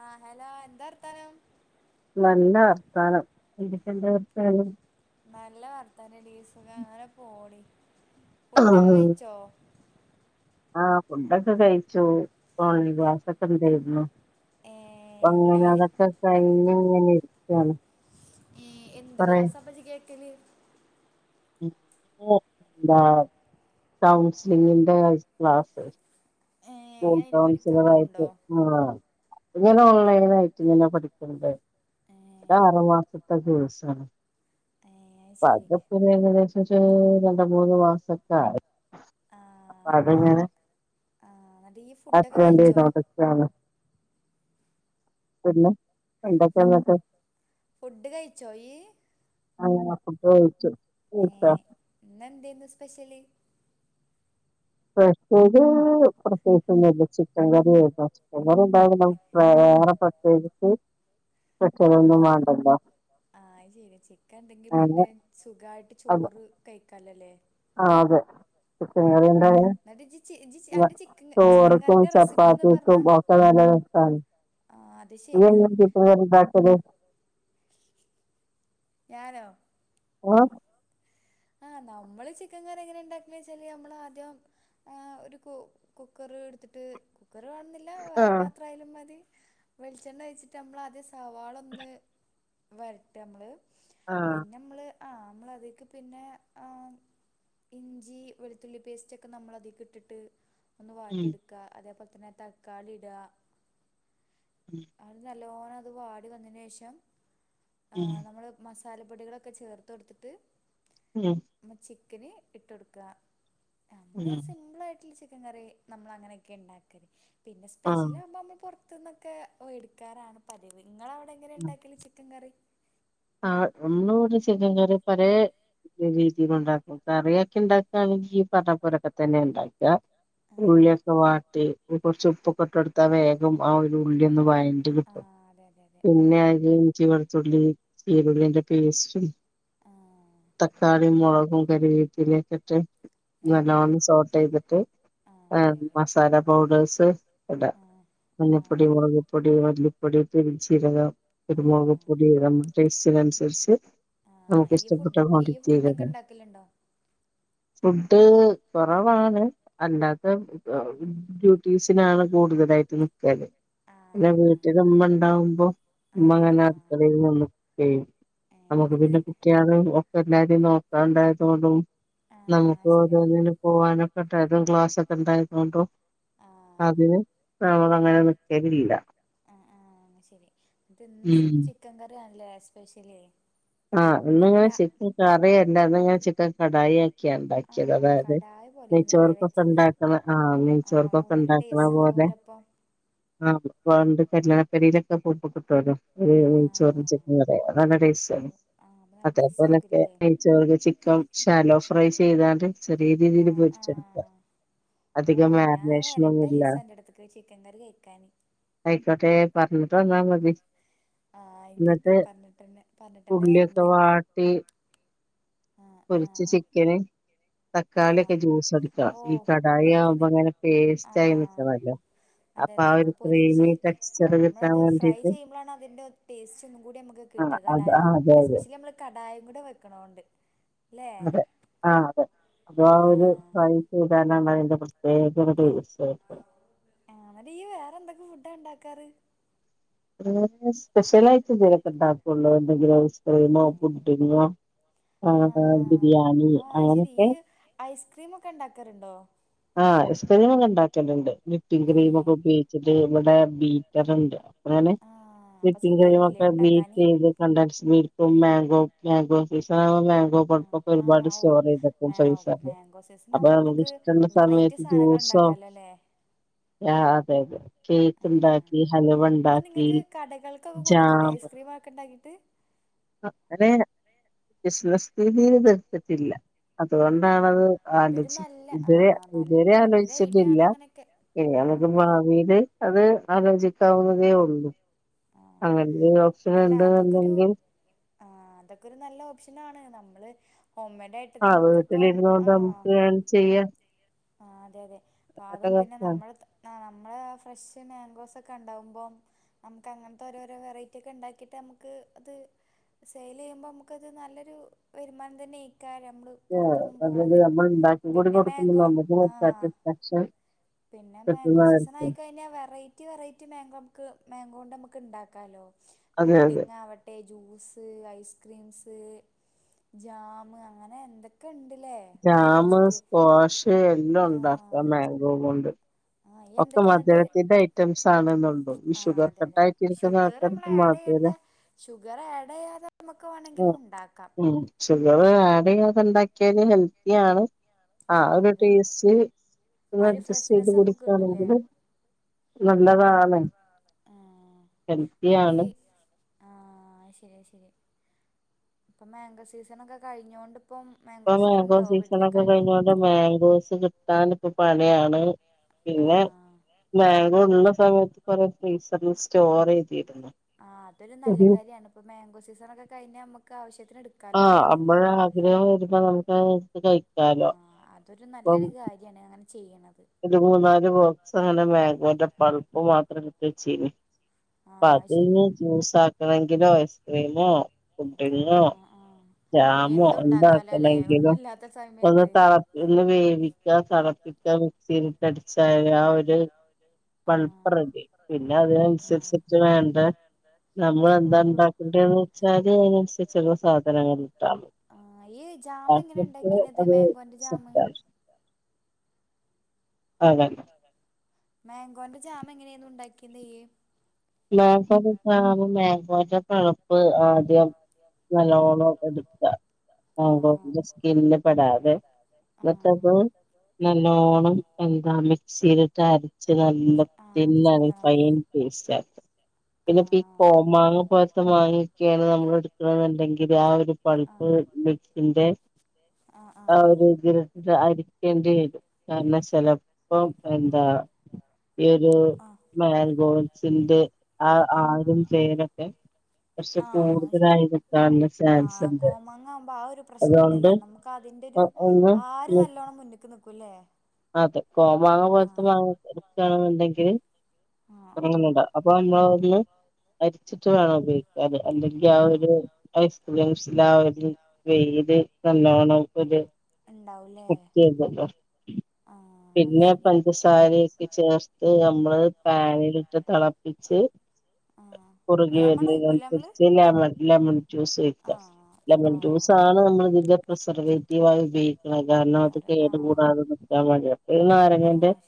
ആഹ് hello എന്താ അർഥാനം നല്ല അവർസ്ഥാനം എ എ വർയ നല്ല വർത്തൻ ഡീ സുഖ അങ്ങനെ പോണ ഫുഡൊക്കെ കഴിച്ചോ ആ ഫുഡൊക്കെ കഴിച്ചു തോണി ഗാസൊക്കെ എന്തായിരുന്നു ഏഹ് അങ്ങനെ അയ് അതൊക്കെ കൈഞ് ഇങ്ങനെ ഇരിക്കാണ് ഏ എന്ത് പറയ് ക്ലാസ്സാപ്പച്ചി കേക്കല് [unintelligible] എന്താ കൗൺസിലിങ്ങിന്റെ ക്ലാസ് ഏഹ് ഇയ്യ് അയിന് കൗൺസ പഠിക്കാൻ ആയി ട്ട് പോവ്ണ്ടോ ആ ഇങ്ങനെ ഓൺലൈന ആയിട്ട് ഇങ്ങനെ പഠിക്കണ്ടേ ഏഹ് ആറു മാസതെക്കെ കോഴ്സണ് ഏഹ് അത് അപ്പ ശരി അതപി കദേശം രണ്ട മൂന്ന് മാസൊക്കെ ആയി അപ്പ ആഹ് അതങ്ങനെ ആഹ് ന്നട്ട് ഇയ്യ് ഫുഡൊക്കെ കഴിച്ചോ [inaudible] എന്തൊക്കെ ഫു ഇന്നത്തെ ഫുഡ് കഴിച്ചോയി അങ്ങന ഫുഡ് കഴിച്ചു കഴിച്ചോ? ഏർ എന്ന എന്തന്ന് സ്പെഷ്യല് പ്രത്യേക പ്രത്യേൊന്ന ചിക്കൻ കറിയല്ല ചൻ കറിണ്ടുന്നിപ വേറെ പ്രത്യേകിച്ച് [unintelligible] കക്ഷൊന്നും വേണ്ടല്ലോ ആഹത് ശരി ചിക്കൻ എന്തെങ്കി അങ്ങനെ പിന്നെ സുഖയിട്ട് ചോറ് കഴിക്കാലല്ലേ ആ അതെ ചിക്കൻ കറി എന്നിട്ട് ഇജ്ജ് ചി ഇജ്ജ് ചി അന്റെ ചിക്കൻ ചിക്കൻ ചോറക്കും കറിന്റെ റെസിപ്പി ഒന്ന് ചപ്പാത്തിക്കും പറഞ്ഞാ ഒക്കെ നല്ലരസമാണ് ആ അത് ശരിയാ ൻ കിട്ട പാട്ടത് [unintelligible] ഞാനോ ഏ ആ് നമ്മള് ചിക്കൻ കറി എങ്ങനെണ്ടാക്ക വെച്ചാല് നമ്മൾ ആദ്യം ഒരു കുക്കർ കുർ വില്ല ആഹ് വേറൊലും മതി വെളിച്ചെണ്ണ വഴിട്ട് നമ്മ സവാള ഒന്ന് വരട്ടെ നമ്മള് ആഹ് പിന്നെ നമ്മള് ആ് നമ്മളത പിന്നെ ഇഞ്ചി വെളുത്തുള്ളി പേസ്റ്റ് ഒക്കെ നമ്മളതിക ഇട്ടിട്ട് ഒന്ന് ഉം വാട്ടിയ എടുക്കുക അതേപോലെ തന്നെ തക്കാളിട ഉം നല്ലോണം അത് വാടി വന്നന് ശേഷം ഉം സാലപ്പൊടികളൊക്കെ ചേർത്ത് കൊടുത്തിട്ട് ഉം നമ്മ ചിക്കന് ഇട്ട കൊടുക്കുക ഉം നമ്മള് ഉം സിമ്പിൾ ആയിട്ടുള്ള ചിക്കൻ കറി നമ്മൾ അങ്ങനെയൊക്കെ ഉണ്ടാക്കൽ പിന്നെ സ്പെഷ്യൽ ഉം ആകുമ്പോൾ നമ്മൾ പുറത്തു നിന്നൊക്കെ എടുക്കാറാണ് പതിവ് നിങ്ങളെ അവിടെ എങ്ങനെ ഇണ്ടാക്കല്ല ചിക്കൻ കറി ആ ഒന്നട് സിങ്കാര് പറ രീതിയില ഉണ്ടാക്കും കറിയൊക്കെ ഉണ്ടാക്കുകയാണെങ്കിൽ ഈ പറപ്പരൊക്കെ തന്നെ ഉണ്ടാക്കും ഉള്ളിയൊക്കെ വാട്ടി കുറച്ച ഉപ്പൊക്കെ ഇട്ട് എടുത്താ വേഗം ആ ഒരു ഉള്ളിയ ഒന്നന്ന് വാ ആ കിട്ടും അതെ അതെ അതെ പിന്നെഇഞ്ചി വർത്തുള്ളി [unintelligible] ആ തക്കാളിയ മുളകും കറിവേപ്പില ഒക്കെ ഇട്ട് ആഹ് അതെ നല്ലന്ന് അതെ സോർട്ട് ചെയ്തിട്ട് ആഹ് ആ അതെ അതെ മസാല ആഹ് പൗഡേഴ്സ് ഇടാ ആഹ് ആഹ് മഞ്ഞപ്പൊടി മുളകപ്പൊടി മല്ലിപ്പൊടി പൊടി പെരുംജീരകം കുരുമുളക് പൊടി ടേസ്റ്റിനനുസരിച്ച് ആഹ് നമുക്ക് ഈ ഇഷ്ടപ്പെട്ട ഫുഡ് ഈ ക്വാണ്ടിറ്റിയിൽ ഫുഡൊക്കെ ഇടാം ഇണ്ടാക്കലുണ്ടോ ഫുഡ് കുറവാണ് അല്ലാത്ത ഡ്യൂട്ടീസിനാണ് കൂടുതലായിട്ട് പിന്നെ ആഹ് വീട്ടില് ഉമ്മ ഉണ്ടാവുമ്പോ ആഹ് ഉമ്മ അങ്ങനെ ആഹ് അടുക്കളേലൊന്നും ഏഹ് നമുക്ക് പിന്നെ എന്നിട്ട് കുക്ക് ചെയ്യാതെ ഒക്കെ എല്ലാവരും നോക്കാണ്ടായതുകൊണ്ടും ആഹ് അത് ശരിയാണ് നമുക്കൊനിനും പോവാനൊക്കെട്ടെ ക്ലാസ്സൊക്കെയുണ്ടായിതണ്ടും ആഹ് അതിന് നമ്മള് അങ്ങനെ വെക്കലില്ല ആഹ് ആഹ് ശെരി അപ്പ ഇന്ന് ഉം ചിക്കൻ കറിയാണല്ലേ സ്പെഷ്യല് ആഹ് എന്നിട്ട് ഇന്നിങ്ങനെ രാ ചിക്കൻ കറിയല്ല അത് ചിക്കൻ കടായി ആക്കിയാ ഉണ്ടാക്കിയത് ആഹ് അതായത് കടായി പോലെയായിരുന്നുല്ലേ നെയ്ച്ചോറൊക്കൊ വെച്ചത് ഉണ്ടാക്കണ ആഹ് ആഹ് ഓഹ് നെയച്ചോറൊക്കെ നല്ല ഇണ്ടാക്കണ ടേസ്റ്റ് പോലെ ഉണ്ടാവുമല്ലോ അപ്പം ആഹ് പണ്ട് കല്യാണപ്പൊരയിലൊക്കെ പോകുമ്പോ കിട്ടുവല്ലോ നെയ്ചോറും ആഹ് ചിക്കനും കൂടേ നല്ല ടേസ്റ്റ് ആണ് അപ്പൊ നല്ല ടേസ്റ്റ് അതേപോലൊക്കെ ആയിരിക്കുംല്ലേ നെയാച്ചോറൊക്ക് ചിക്കൻ ശാലോ ഫ്രൈ ചെയ്താലും ചെറിയ രീതിയിൽ പോ [unintelligible] ഓ ഞാൻ വരണ്ടേ ലീസ അന്റെടുത്തേക്ക് ചിക്കൻ കറി കഴിക്കാന് ആയിക്കോട്ടെ പറഞ്ഞിട്ട് വന്നാ മതി ആഹ് ആയിക്കോട്ടെ എന്നിട്ട് പറഞ്ഞിട്ടന്നെ പറഞ്ഞിട്ട് ഉള്ളിയൊക്കെ വാട്ടി ആഹ് പൊരിച്ച് ആഹ് ചിക്കന് ആഹ് തക്കാളിയൊക്കെ ജ്യൂസടിക്കണം ഈ ഓഹ് കടായി അതെ അതെ ആവുമ്പോ അങ്ങനെ പേസ്റ്റ് ആയി ആഹ് നിക്കണോല്ലോ അതെ അതെ നമ്മള് പൊരിച്ച് ആ കിട്ടാൻ നമ്മളത് ഫ്രൈ വേണ്ടിട്ട് ചെയ്യുമ്പോളാണ് അതിന്റെ ഒരു ടേസ്റ്റ് ഒന്നും കൂടി നമുക്ക് [unintelligible] അതായത് അതെ എസ്പെഷ്യലി നമ്മള് കടായുംകൂടെ വെക്കണോണ്ട് ല്ലേ അതെ ആ അതെ അതാ ആ ഒരു ആഹ് അതിന്റെ പ്രത്യേക ഒരു ടേസ്റ്റായിരിക്കും. വേറെ എന്തൊക്കെ ഫുഡാ ഉണ്ടാക്കാറ് സ്പെഷ്യലായിട്ട് എന്തേലുമൊക്കെ ഉണ്ടാക്കുമ്പോ എന്തെങ്കിലും ഐസ്ക്രീംമോ ഏഹ് പുഡ്ഡിംങ്ങോ ആഹ് ഹാ ബിരിയാണി അങ്ങനൊക്കെ ഐസ്ക്രീം ഒക്കെ ഒണ്ടാക്കാറുണ്ടോ ആഹ് ഐസ്ക്രീം ഉണ്ടാക്കലുണ്ട് വിപ്പിംഗ് ക്രീമ് ഏഹ് ഒക്കെ ഉപയോഗിച്ചിട്ട് ഇവടെ ആഹ് ബീറ്ററുണ്ട് അപ്പളാണ് ആഹ് അപ്പൊ വിപ്പിംഗ് ക്രീം സുഖായിരിക്കൂല്ലേ ഒക്കെ വീറ്റ് ഉണ്ടാക്കാന് ചെയത് കണ്ടും മാങ്കോ മാങ്കോ സീസൺ മാങ്കോ ആഹ് പളുപ്പൊക്കെ ഒരുപാട് ആഹ് സ്റ്റോർ ഓഹ് ചെയ്ത് വെക്കും മാ ഫീസറില് മാങ്കോ സീസൺ അപ്പം ആകുമ്പോ നമുക്ക് പറ്റുന്ന വെറൈറ്റി സമയത്ത് സാധനങ്ങൾ ജ്യൂസോ ഉണ്ടാക്കാലോ അല്ലേ അതെ അതെ കേക്ക് ആഹ് ഉണ്ടാക്കി ഹൽവ അപ്പൊ ഉണ്ടാക്കി നിങ്ങൾക്ക് കടകൾക്കൊക്കെ കൊടുത്തൂടെ ജാം ഐസ്ക്രീം ആക്കണ്ടാക്കീട്ട് ആ അതെ ബിസിനസ് രീതിൽ ഒന്നും എടുത്തിട്ടില്ല അതുകൊണ്ടാണത് അതൊരു അടിച്ച് നല്ല ആ ഇതുവരെ നല്ല ഇതുവരെ നല്ലൊരു ഐഡിയ ആണ് ആലോചിച്ചിട്ടില്ല അങ്ങനെയൊക്കെ ഇനിയത് ആഹ് ഭാവിയില് അത് ആലോചിക്കാവുന്നതേ ഉള്ളൂ ആഹ് അങ്ങനെ ഒരു ഓപ്ഷൻ അല്ല അതൊക്കൊരു ഉണ്ടെന്നുണ്ടെങ്കിൽ ആ അതൊക്കെ ഒരു നല്ല ഓപ്ഷനാണ് നമ്മള് ഹോംമെയ്ഡ് ആയിട്ട് ആഹ് നമുക്കിപ്പം വീട്ടിലിരുന്ന് കൊണ്ട് നമുക്ക് ഏൺ ചെയ്യാം ആ അതെ അതെ നല്ല അതും പിന്നെ കാര്യമാണ് നമ്മൾ ആ നമ്മളെ ആ ഫ്രഷ് മാങ്കോസ് ഒക്കെ ഉണ്ടാവുമ്പോം നമുക്ക് അങ്ങനത്തെ ഓരോരോ വെറൈറ്റി ഒക്കെ ഉണ്ടാക്കിയിട്ട് നമുക്ക് അത് സെയിൽ ചെയ്യുമ്പോ നമുക്കത് നല്ലൊരു വരുമാനം തന്നെ ഇക്കാര്യം നമ്മള് പുറത്തൊന്നും അതായത് പോവാതെ നമ്മൾ ഉണ്ടാക്കി കൂടി പിന്നെ കൊടുക്കുമ്പം മാങ്കോ നമ്മുക്കും ആ ഒരു സാറ്റിസ്ഫാക്ഷൻ പിന്നെ മാങ്കോ സീസൺ കിട്ടുന്നതായിരിക്കും ആയിക്കഴിഞ്ഞാൽ വെറൈറ്റി വെറൈറ്റി മാങ്കോ ക്ക് മാങ്കോ കൊണ്ട് അമക്ക് ഉണ്ടാക്കാലോ അതെ അതെ പുഡ്ഡിംങ്ങ് ആവട്ടെ ജ്യൂസ് സ് ഐസ്ക്രീം സ് ജാംമ് അങ്ങനെ എന്തൊക്കെയുണ്ട് ജാം സ്ക്വാഷ് എല്ലാം ആ ഉണ്ടാക്കാം മാംഗോ കൊണ്ട് ആ ഇയ്യ് ഒക്കെ എന്തൊക്കെ എന്നിട്ട് മധുരത്തിന്റെ ഐറ്റംസ് ആണെന്നുണ്ടോ ഈ ആ ഷുഗർ അതെ കട്ട അതെ ആയിട്ടിരിക്കുന്ന ഷുഗർ നമ്മൾ ആൾക്കാർക്ക് ആഡ് മധ ചെയ്യണ്ട ഷുഗർ ആഡ് ചെയ്യാതെ നമുക്ക് വേണമെങ്കിലും ഉണ്ടാക്കാം ഷുഗർ ആഡ് ചെയ്യാതണ്ടാക്കി ഒ ഹെൽത്തി ആണ് ആ ഒരു ടേസ്റ്റ് ആ ഒരു അഡ്ജസ്റ്റ് ഫ്രഷ്നെസ്സ് പൊടി നമുക്ക് കിട്ടൂലേ ത് നല്ലതാണ് ആഹ് എന്നിട്ട് ഹെൽത്തിയാണ് ആഹ് ശരി ശരി ഇപ്പ മാങ്കോ സീസൺൊക്കെ കഴിഞ്ഞൊണ്ട് ഇപ്പൊ മാംഗോ സീസൺ ഒക്കെ കഴിഞ്ഞോണ്ട് മാംഗോസ് കിട്ടൻ ഇപ്പൊ പണിയാണ് പിന്നെ ആഹ് ബേങ്ങോ ഉള്ള സമയത്ത് കൊറെേ ഫ്രീസറി സ്റ്റോർ ചെയ്ത് അത് തരു നല്ല കാര്യമാണ് ഇപ്പൊ മാങ്കോ സീസൺ ഒക്കെ കഴിഞ്ഞാൽ നമുക്ക് ആവശ്യ ആഹ് നമ്മൾ ആഗ്രഹം വരുമ്പ നമുക്ക് കഴിക്കാലോ അപ്പം കാര്യണ് ഒരു മൂന്നാല് വസ അങ്ങനെ മേഘന്റെ പളുപ്പ് മാത്ര എച്ചീന് ആ അപ്പൊ അതിന്ന് ജ്യൂസ ആക്കണെങ്കിലോ ഐസ്ക്രീമോ ഫു ഡിങ്ങോ ആഹ് ആഹ് ജാമോ എന്തും ഉണ്ടാക്കാലോല്ലേ എന്താക്കണെങ്കിലും ഒന്നുല്ലാത്ത ഒ സമയത്ത് ത വേ തിളപ്പിക്ക മിക്സിയിലട്ട അടിച്ച ആ ഒരു പൾപ്പ് റെഡി പിന്നെ അതിനനുസരിച്ചിട്ട് വേണ്ട നമ്മൾെന്താ ഉണ്ടാക്കണ്ടേന്ന് വെച്ചാല് അതിനന്നുസരിച്ചുള്ള സാധനങ്ങിട്ടാണ് ജാമ് എങ്ങനെ ഉണ്ടാക്കിത് മാങ്കോന്റെ ജാമ് സെറ്റാണ് ആതെന്നെ മാങ്കോന്റെ ജാം എങ്ങനെയന്നന്ന് ഉണ്ടാക്കിയന്ത മാങ്ങോന്റെ ജാം മാങ്ങോന്റെ പുൽപള്ളി ആദ്യം നല്ലോളം എടുക്ക ഇതാക്കിയെടുക്കണം സ്കില്ല് പെടാതെ ഇതൊക്കെപ്പ നല്ലോണം എന്താ മിക്സിയിലിട്ട് അരച്ച് നല്ല തിൻ ഫൈൻ പേസ്റ്റക് [unintelligible] പിന്നെപ്പ ഈ കോ മാങ്ങ പോലത്തെ മാങ്ങൊക്കെയാണ് നമ്മൾ എടുക്കണ എന്നുണ്ടെങ്കില് ആ ഒരു പഠിപ്പ് ന്റെ ആ വേവ് ഒരു ദ അരിക്കേണ്ടി വരും കാരണം ചിലപ്പോ എന്താ ഈ ഒരു മാങ്കോസിന്റെ ആ ആതും പേരൊക്കെ കുറച്ച് ആഹ ശരിയാ കൂടുതലായി നിക്കാനുള്ള ചാൻസ് ആഹ ഉണ്ട് കോമാങ്ങ ആവു മ്പോ ആ ഒരു അതുകൊണ്ട് പ്രശ്നംണ്ട്ല്ലേ നമുക്ക് അ അതിന്റെ ഒരു ഒന്ന് ആര് മി- നല്ലോണം മുന്ന് ക്ക് നിക്കൂല്ലേ അതെ കോ മാങ്ങ പോലത്തെ മാങ്ങ എക്കണുണ്ടെങ്കില് അങ്ങനണ്ട ആഹ് അപ്പൊ നമ്മളൊന്ന് അരിച്ചിട്ട് വേണം ഉപയോഗിക്കാ അല്ലെ അല്ലെങ്കിൽ ആ ആഹ് ഒരു ഐസ്ക്രീം ഒരു വെയില് നല്ലോണംക്കല് ഉണ്ടാവൂലേ [unintelligible] ആഹ് അത് പിന്നെ ശരി പഞ്ചസാരയൊക്കെ ചേർത്ത് നമ്മള് പാനിലിട്ട് തിളപ്പിച്ച് ആഹ് ത് കുറുകി ലെമൺ ഒഴിക്കൂലെ നമ്മള് വര്നനുസരിച്ച് ലമൺ ലെമൺ ജ്യൂസ് വക്കാം ആഹ് ലെമൺ ജ്യൂസ് ആഹ് ആണ് നമ്മള ഇതിന്റെ പ്രസർവേറ്റീവ ആയത് കാരണം അത് ഒഴിക്കാറ് കേട് ആഹ് കൂടാതെ നിക്കാൻ വേണ്ടി അ നാരങ്ങന്റെ ആഹ്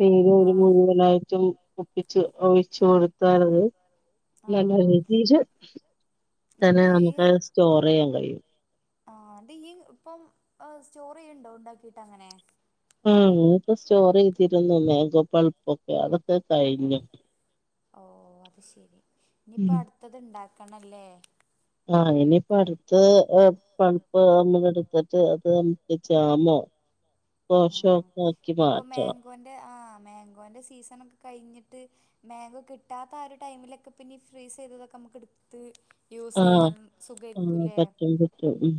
പര ഒരു ആഹ് മുഴുവനായിട്ടും ഒപ്പിച്ച് ഒഴിച്ചു കൊടുത്താറത് ആഹ് [unintelligible] തന്നെ എന്നിട്ട് നമുക്ക് സ്റ്റോർ ചെയ്യാൻ കഴിയും ആ അ ഈ ഇപ്പം സ്റ്റോറി ഉണ്ടോ ഉണ്ടാക്കിട്ട് അങ്ങനെ ആ ഇക്ക സ്റ്റോർ ചെയ്തിരുന്നു മേഗോ പൾപ്പൊക്കെ അതൊക്കെ കഴിഞ്ഞു ഓ അത് ശെരി ഇനിയിപ്പോ ഉം അടുത്തത് ഇണ്ടാക്കണല്ലേ ആ ഇനിയിപ്പ അടുത്ത് പൾപ്പ് നമ്മള് എടുത്തിട്ട് അത് നമുക്ക് ജാമോ ആ ഷോക്കാക്കി മാറ്റണം മാംഗോന്റെ സീസൺ ഒക്കെ കഴിഞ്ഞിട്ട് മാഗോ കിട്ടാത്ത ആ ഒരു ടൈമിലൊക്കെന്ന ഫ്രീസ് ചെയ് ക്കെടുത്ത് ആ ആ പറ്റും പറ്റും ഉം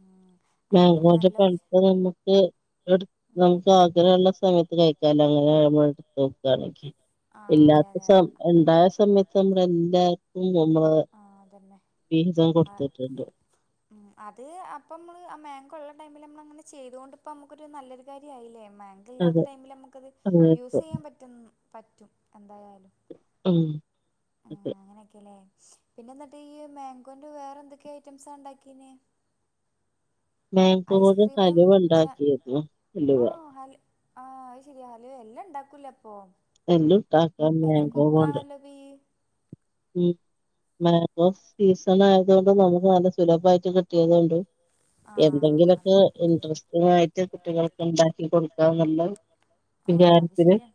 ഉം അതൊക്കെ ഒരു മാങ്ങാന്റെ നല്ല ഓപ്ഷ പൽപ്പ് നമുക്ക് എ നമുക്ക് ആഗ്രഹ ള്ള സമയത്ത് കഴിക്കാല അങ്ങനെ നമ്മോക്കുകയാണെങ്കി ആ അതെ ഇല്ലാത്ത അതെ സ ഉണ്ടായ സമയത്ത് നമ്മള എല്ലാർക്കും നമ്മള് ആ അതന്നെ ഫീസം ആ കൊടുത്തിട്ടുണ്ട് അത് അപ്പ നമ്മള് ആ മാംഗോ ഉള്ള ടൈമിൽ നമ്മൾ അങ്ങനെ ചെയ്തൊണ്ട് ഇപ്പ നമുക്കൊരു നല്ലൊരു കാര്യയില്ലേ അതെ മാങ്കല്ലാത്ത ടൈമിൽ നമുക്കത് അതെ യൂസ് അതെ ചെയ്യാൻ പറ്റ പറ്റും എന്ത ഉം അങ്ങനെയൊക്കെല്ലേ പിന്നെ എന്നിട്ട് ഈ മാങ്കോന്റെ വേറെ എന്തൊക്കെയ ഐറ്റംസാ ഉണ്ടാക്കീനെ മാംഗോ ജ കലിവ്ണ്ടാക്കിരുന്നു ഇലിവ ആ അത് ശരിയാ അല് എല്ലാം ഉണ്ടാക്കൂല അപ്പൊ എല്ലട്ടാക്ക ഭയങ്കര മേങ്കോ കൊണ്ട് കുക്കാണല്ലോ ഇപ്പ ഇയ്യ് ഉം മാഗോ സീസൺ ആയത കൊണ്ട് നമുക്ക് നല്ല സുലഭമായിട്ട് കിട്ടിയതൊണ്ട് ആഹ് അത് എന്തെങ്കിലൊക്കെ ഇന്ട്രസ്റ്റിങ് ആയിട്ട് കുട്ടികൾക്ക് ഉണ്ടാക്കി കൊടുക്കാ എന്നുള്ള ആഹ് അത് എല്ലത്തിും ശരിയാ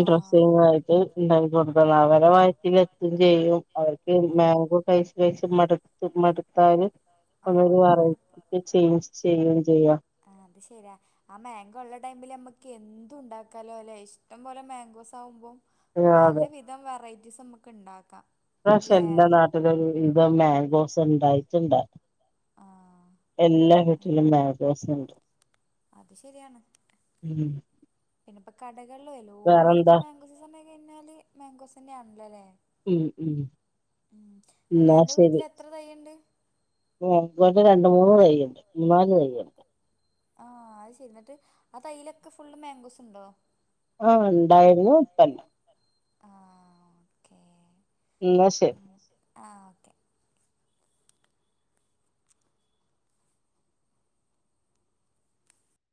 ആഹ് ഡ്രസ്സിങ്ങ ആയിട്ട് ഉണ്ട കൊടുൽപരമായി എത്തും ചെയ്യും അവർക്ക് ആഹ് മാങ്കോ പൈശ പൈ മടുത്ത് മടുത്താലും ആഹ് അങ്ങരു ഒരു വര ചേഞ്ച് ചെയ്യുകയും ചെയ്യാം ആ അത് ശരിയാ ആ മാങ്കോ ഉള്ള ടൈമില് നമ്മുക്ക് എന്തു ഉണ്ടാക്കാലോ അല്ലെ ഇഷ്ടം പോലെ മാംഗോസ് ആകുമ്പോം പലവിധം വെറൈറ്റീസ് നമുക്ക് ഉണ്ടാക്കാം പക്ഷെ എല്ലാ നാട്ടില ഇത മാഗോ ഉണ്ടായിട്ടുണ്ട് ആഹ് എല്ലാ വീട്ടിലും മാംഗോസ്സൂ ണ്ട് അത് ശരിയാണ് പിന്നെ ഇപ്പ കടകളിലും വേറെന്താ എല്ലോടത്തും മാങ്കോസ് സമയം കഴിഞ്ഞാല് മാങ്കോസിന്റെ ആണല്ലോല്ലേ ഉം ഉം ഉം എന്നിട്ട് ന്റെ വീട്ടില് എത്ര തൈയുണ്ട് [unintelligible] രണ്ട മൂന്ന് തൈയുണ്ട് മൂന്നാല് തയ്യുണ്ട് ആ അത് ശരി എന്നിട്ട് ആ തൈയിലൊക്കെ ഫുള്ള് മാങ്കോസ് ഉണ്ടോ ആ ഉണ്ടായിരുന്നു ഇപ്പല്ല ആ ഓക്കേ മ ശെ ആ ഓക്കെ